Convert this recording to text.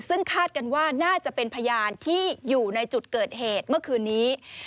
ซึ่งคาดกันว่าน่าจะเป็นพยานที่อยู่ในจุดเกิดเหตุเมื่อคืนนี้